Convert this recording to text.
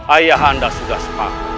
ayah anda sudah sepah